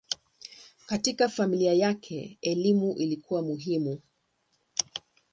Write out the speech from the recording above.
Katika familia yake elimu ilikuwa muhimu.